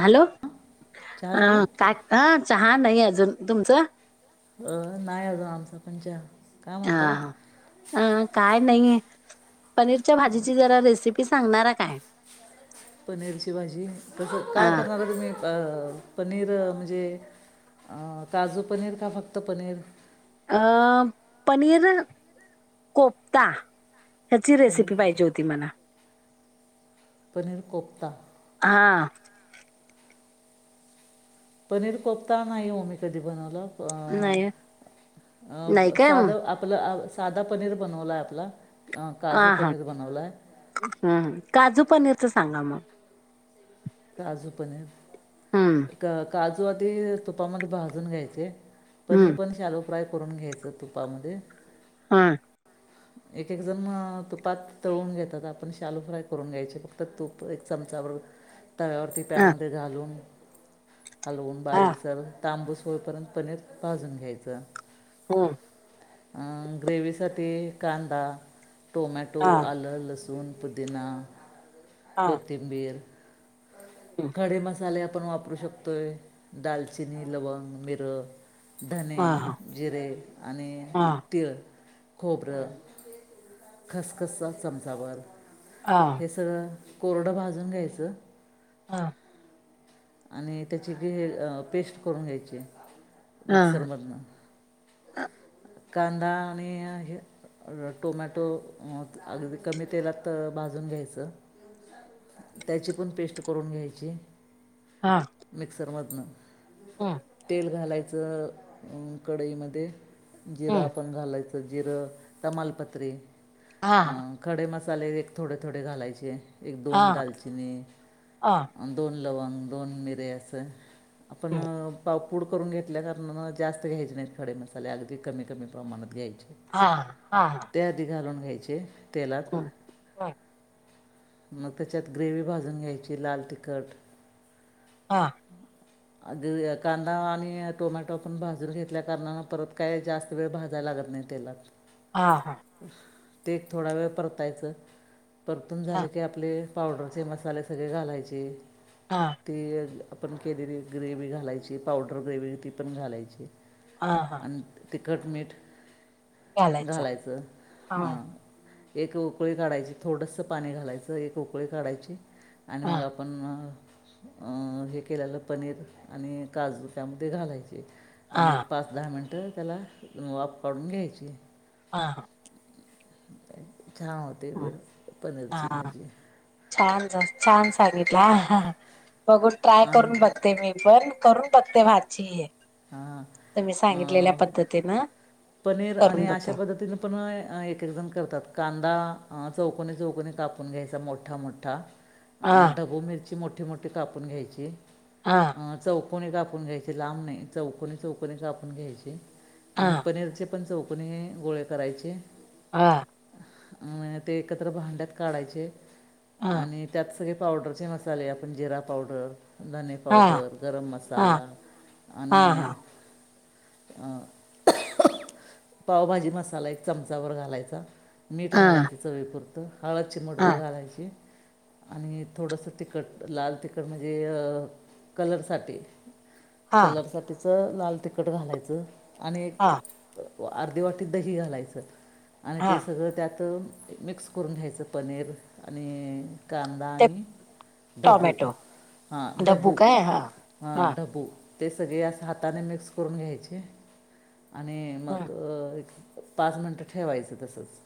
Hello चहा अ झाला काय ह चहा नई अजून तुमचं अ नाही अजून आमचा पण चहा. काय आ म्हणताय अ काय नाहीे पनीरच्या भाजीची जरा रेसिपी सांगणारा काय? पनीरची भाजी तसं अ काय करणार तुम्ही अ पनीर म्हणजे अ काजू पनीर का फक्त पनीर. अ पनीर कोफ्ता. ह्याची पनीर रेसिपी पाहिजे होती मला. पनीर कोफ्ता. हां. पनीर कोपता नाही ओ मी कधी बनवला. ध नाही आप नाही काय ह साधं आपल्या आवड साधा पनीर बनवलाय आपला. अ, आ काजू हा पनीर बनवला आहे हम् काजू पनीर तर सांगा मग. काजू हम्म पनीर का काजू आधी तुपामध्ये भाजून घ्यायचे. पनीर हम्म पण शालो फ्राय करून घ्यायचं तुपामध्ये. हा. एक एक जण तुपात तळून घेतात आपण शालू फ्राय करून घ्यायचे फक्त तूप एक चमचा. त्या तव्यावरती ह पॅन मध्ये घालून. हलवून हा बारीक सर तांबूस होईपर्यंत पनीर भाजून घ्यायचं. होम. ग्रेवीसाठी कांदा टोमॅटो हा आलं लसूण. पुदीना हं, कोथिंबीर खडे मसाले आपण वापरू शकतोय दालचिनी लवंग मिर. धणे हा हा जिरे आणि हा तीळ हं, खोबरं. खसखस चमचाबर हा हा हे सगळं, कोरडं भाजून घ्यायचं. हा. आणि त्याची पेस्ट करून घ्यायची. मिक्सर मधन कांदा आणि हे. टोमॅटो अगदी कमी तेलात भाजून घ्यायचं. त्याची पण पेस्ट करून घ्यायची. हा मिक्सर मधन हं, तेल घालायचं. त्या कढईमध्ये जिरा हं, आपण घालायच. जीर तमाल पत्र हा अ खडे मसाला साले एक थोडे थोडे घालायचे एक हा दोन दालचिनी हा दोन लवण. दोन मिरे अस आपण हं. पाव कूड करून घेतल्या कारणा जास्त घ्यायचे नाहीत खडे मसाले अगदी कमी कमी प्रमाणात घ्यायचे. हा हा. घयचे. हम हा. मग त्याच्यात ग्रेवी भाजून घ्यायची लाल तिखट. हां अग कांदा आणि टोमॅटो पण भाजून घेतल्या कारणान परत काय जास्त वेळ भाजायला लागते नाही तेलात. हा हा. ते एक थोडा वेळ परतायचं परतून हां झालं की आपले पावडरचे मसाले सगळे घालायचे. हा. ती आपण केलेली ग्रेवी घालायची पावडर ग्रेवी ती पण घालायची. हा-हा आणि तिखट मीठ घालायचं. हां हं एक उकळी काढायची थोडंसं पाणी घालायचं एक उकळी काढायची आणि मग हां आपण अ अ हे केलेलं पनीर आणि काजू त्यामध्ये घालाय हां आणि एक पाच दहा मिनिटं त्याला वाफ काढून घ्यायची. हा-हा छान होते पनीरची भाजी. छानस छान सांगीतलं हां बघू ट्राय आणि करून बघते मी पण करून बघते वाचीये तुम्ही सांगितलेल्या हां पद्धतीनं. पनीर करून आणि बघते अशा पद्धतीने पण एक-एक जण करतात कांदा चौकनी-चौकनी कापून घ्यायचा मोठा-मोठा हां ढबू मिर ची मोठी-मोठी कापून घ्यायची हां अ चौ कोनी कापून घ्यायचे लांब नाही चौकनी-चौकनी कापून घ्यायचे. हा चे पण चौकोनी गोळे करायचे. हा अं ते एकत्र भांड्यात काढायचे हां आणि त्यात सगळे पावडरचे मसाले आपण जिरा पावडर धणे हां पावडर गरम हां मसाला हां आणि हां अ पावभाजी मसाला एक चमचावर घालायचा. मीठ हां घालायच चवीपुरतं, हळद चिमटभर हां घालायची. आणि थोडस तिखट लाल तिखट म्हणजे अ कलरसाठी. हां कलर साठीच लाल तिखट घालायचं आणि हा. अर्धे वाटीत दही घालायचं आणि ते हां सगळं त्यात मिक्स करून घ्यायचं पनीर आणि कांदा ते आणि ढबू टॉमॅटो हां डब्बू ढबू. काय हां हा हां ढबू. ते सगळे अस हाताने मिक्स करून घ्यायचे आणि हं मग पाच मिनटं ठेवायचं तसंच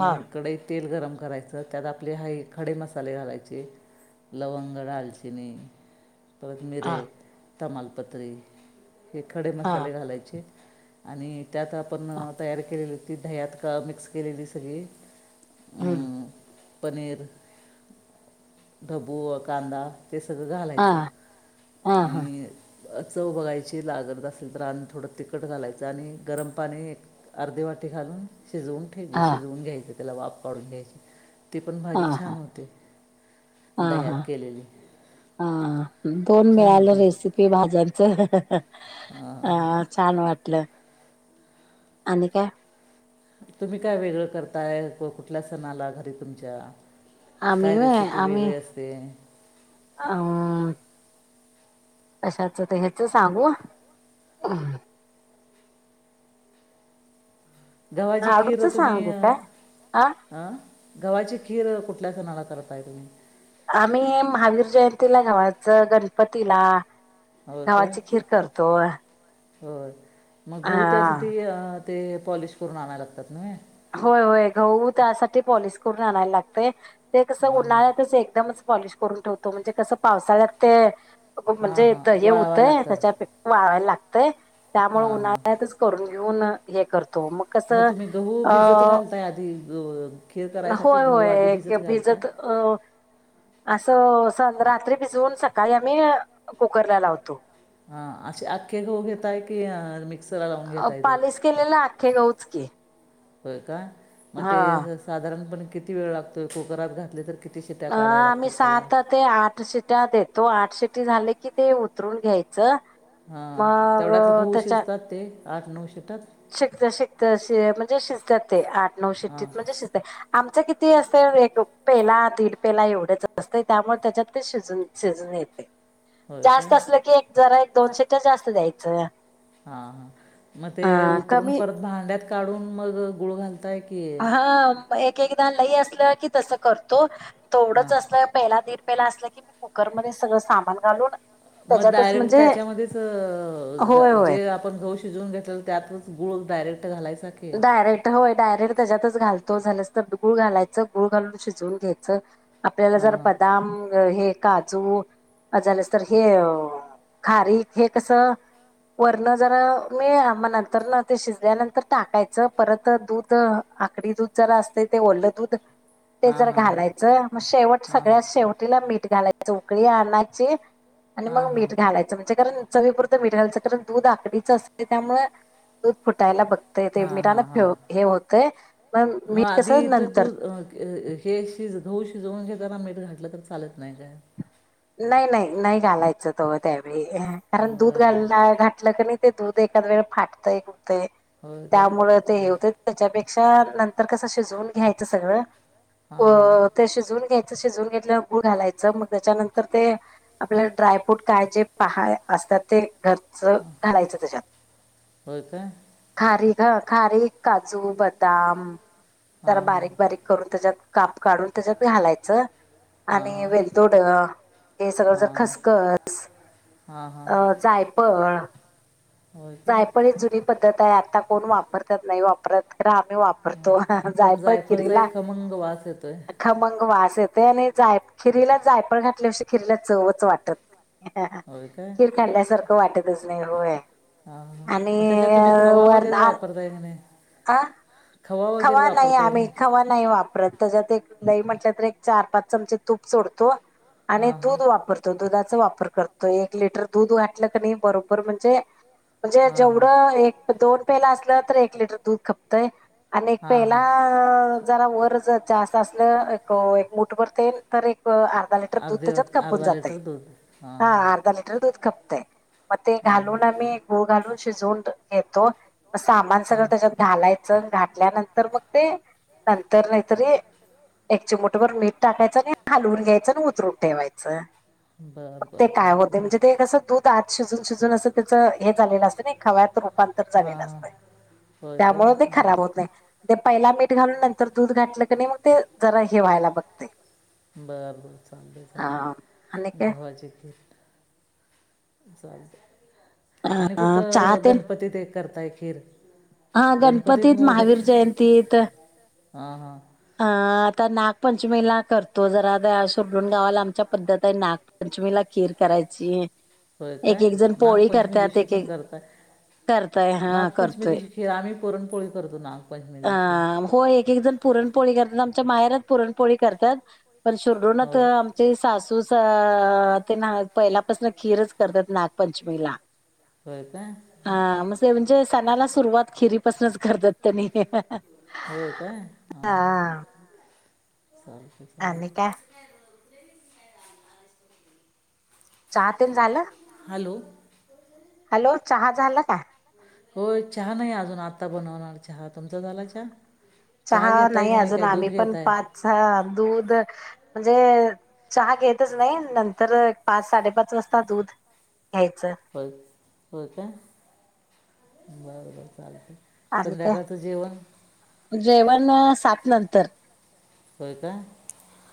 हां कढईत तेल गरम करायच त्यात आपले हाये खडे मसाले घालायचे. लवंग, रालचीनि. परत मिरे, हां तमालपत्री हे खडे हा मसाले घालायचे. आणि त्यात आपण हा तयार केलेली ती दह्यात का मिक्स केलेली सगळी हम्म अं, पनीर, ढबू, कांदा ते सगळं हा घालायचं. हा हा आणि चव बघायची लागत असेल तर अ थोडं तिखट घालायचं आणि गरम पाणी एक अर्धी वाट की घालून शिजून ठेवी हा शिजवून घ्यायचं त्याला वाफ काढून घ्यायची. ती पण हा भाजी हा छान होते हा दह्यात हा केलेली. छान मिळालन होते रेसिपी भाज्यांचं अं, अ छान वाटलं आणि काय? तुम्ही काय वेगळं करताय कु-कुठल्या सणाला घरी तुमच्या? आम्ही काय रेसिपी वेगळी असते? अं अशाच ते ह्याच सांगू? गव्हाची लाडूच खीर तुम्ही सांगू काय हा अं गव्हाची खीर कुठल्या सणाला करताय तुम्ही? आम्ही महावीर जयंतीला गव्हाच गणपतीला हो काय गव्हाची खीर करतोय. होय मग गहू त्यासाठी ते पॉलिश करून आणाय लागतात नव्हे होय होय गहू त्यासाठी पॉलिश करून आणायल लागतय. ते कसं हां हां उन्हाळ्यातच एकदमच पॉलिश करून ठेवतो म्हणजे कसं पावसाळ्यात ते हां म्हणजे हां द हे वाळवायला होतंय लागतात त्याच्यापेक्ष वाळाय लागतंय त्यामुळ हां हां उन्हाळ्यातच करून घेऊन हे करतो मग कसं तुम्ही गहू अ भिजत घालताय आधी ग व होय होय भिजत अ असं सं रात्र रात्री भिजवून सकाळी आम्ही कुकरला लावतो. हा असे आख्खे घऊ घेताय की मिक्सरला लावून घेतताय ते. पालिश केलेलं [unintelligible] की होय काय म ते हा. साधारणपण किती वेळ लागतोय कुकरात घातले तर. किती शिट्या अ काढाव्या आम्ही लागतात त्याला सात ते आठ शीटा देतो आठ सीट झाल की ते उतरून घ्यायचं. हां मग तेवढ्यात गहू शिजतात ते आठ, नऊ शि शिकत शिकत म्हणजे शिजत्यात ते आठ, नऊ शिट्टीत हां म्हणजे शिजतंय. आमचं किती असतंय एक पेला, दीड पेला एवढंच असतय त्यामुळ त्याच्यात ते शिजून शिजून येतय होय जास्त का असलं की एक जरा एक, दोन शिट्ट्या जरा जास्त द्यायचं. हां हां म ते अ उतरून कमी परत भांड्यात काढून मग गुळ घालत ताय की एक-एकदा लई असलं की तस करतो, थोडच हां असलं पेला, दीड पे पेला असलं की कुकरमध्ये सगळं सामान घालून त्यात म डायरेक्ट त्याच्यामध्येच अ होय होय. जे आपण गहू शिजवून घेतल्याल त्यातच गुळ डायरेक्ट घालायच. डायरेक्ट होय डायरेक्ट त्याच्यातच घाल तो झाल्यास तर गुळ घालायचं गुळ घालून शिजवून घ्यायचं आपल्याला हां जर हां बदाम हे काजू, झालंस तर हे अ खारीक हे कस वरण जरा मी म नंतरन ते शिजल्यानंतर टाकायचं परत अ दूध आकडी दूध जरा असतय ते ओलं दूध ते हां जरा हां घालायचं म शेवट हां सगळ्यात शेवटीला मीठ घालायच उकळी आणाची आणि हां हां मग हां मीठ घालायचं म्हणजे कारण चवीपुरतं मीठ घालायचं कारण दूध आकडीचं असतय त्यामुळ दूध फुटायला बघत ते हां मिठाने हां ते हां हे होतय पण म मग मीठ कस आधी ते नंतर दूध अं, अं, हे शिज गहू शिजवून घेताना मीठ घातलं तर चालत नाही काय? नाही नाही नाही घालायचं तवा त्यावेळी कारण दूध बरं घाल बरं घातलं क नाई ते दूध एखाद वेळी फाटतय, फुटतय होय काय त्यामुळ ते हे हां होतय त्याच्यापेक्षा नंतर कस शिजवून घ्यायचं सगळं हां हां ओ ते शिजवून घ्याय शिजून घेतल्यावर गुळ घालायचं मग त्याच्यानंतर तर ते आपल्या ड्रायफ्रूट काय जे हाय असतात ते घर घालायचं तेज्यात होय काय खारी क-खारीक, काजू, बदाम जरा हां हां बारीक-बारीक करून तेज्यात काप काढून तेज्यात घालायचं हां आणि हां वेलदोड हे सगळं जरा हां खसखस, हां हां अ जायफळ होय काय जायफळ हे जुनी पद्धत हाय आता कोण वापरत्यात नाही वापरत खर आपण वापरतो पण जायफळ जायफळाचा खीरीला एक खमंग वास येतोय खमंग वास देतय आणि जाय खिरीला जायफळ घातल्याशी खिरीला चवच वाटत नाही. होय काय खिर खाल्ल्यासारख वाटतच नाही होय. हां हां आणि मग त्याच्यात तुम्ही खवा वर वगैरे वापरताय का नाही? अ वगैरे खवा नाही वापरताय की आम्ही खवा नाही वापरत. परत त्याच्यात एक लई म्हटल्या तर एक, चार, पाच चमचे तूप सोडतो. आणि हां हां दूध वापरतो दुधात- वापर करतो एक लिटर दूध घातल कने नाही बरोबर म्हणजे म्हणजे हां हां जेवढं एक, दोन पेला असलं तर एक लिटर दूध खपतंय. आणि एक हां पेला हां जरा वर जरा जास्त असलं एक मुठभर तेन तर एक अर्धा लिटर दूध अर्धी त्याच्यात वाट- खपून अर्धा जातय, लिटर दूध हां हा अर्धा लिटर दूध खपतय. मग ते हां हां घालून आम्ही गूळ घालून शिजवून घेतो म सामान सगळं हां त्याच्यात घालायचं घातल्यानंतर मग ते नंतर नाही तरी एक चिमूटभर मीठ टाकायच. लगेच हलवून घ्यायचं आणि उतरून ठेवायचं. बरं मग ते बरं काय चालतं होत म्हणजे बरं ते असं दूध आत शिजून-शिजून असं त्याच हे झालेलं असतं ना खव्यात रूपांतर रुपांतर हां झालेलं हां असतय होय काय त्यामुळे ते हां खराब होत नाही. ते पहिला मीठ घालून नंतर दूध घातलं क नाही मग ते जरा हे व्हायला बघतय. बर बर चालय आणि झाली काय गव्हाची खीर. चालताय आणि अ चहा कुठं तेन गणपती ते करताय खीर हा गणपतीत, महावीर जयंतीत हा, हा अ आता नागपंचमी ला करतो जरा शिरढोण गावाला आमच्या पद्धत आहे नागपंचमीला नागपंचमी ला खीर करायची होय एक काय एक जण पोळी नागपंचमी करतात दिवशी एक पण एक करताय करताय हा नागपंचमी करतोय दिवशी खीर आम्ही पुोरण-पोळी करतो नाग अ हो एक, एक जण पुरणपोळी करतात आमच्या माहेरच पुरणपोळी करत्यात पण शिरढोणनात आमचे सासू स अ ते ना पहिल्यापासून खीरच करतात नागपंचमीला होय काय हा म म्हणजे सणाला सुरुवात खिरीपासूनच करतात त्यांनी हो काय ह ह हा चालते, आणि चालते काय चहा ते झालं? हॅलो हॅलो चहा झालं का? होय चहा नाही अजून आता बनवणार चहा तुमचा झाला चहा चहा घेताय नाही की अजून काय आम्ही दूध पण घेताय पाच दूध म्हणजे चहा घेतच नाही नंतर पाच, साडेपाच वाजता दूध घ्यायचं चालताय हो का बरं बर चालतय आणि काय जेवण सात नंतर होय का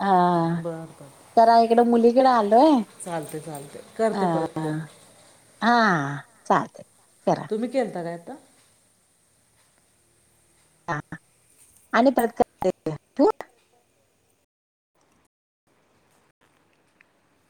हा बरं बरं तर इकडं मुलीकडे आले होय चालते चालते ह, करते परत फोन हा, हा चालेल तुम्ही केलता काय आता हा आणि परत करतो ठेवू